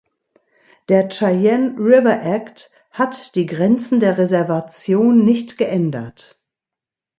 Der "Cheyenne River Act" hat die Grenzen der Reservation nicht geändert.